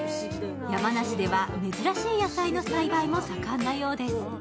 山梨では珍しい野菜の栽培も盛んなようです。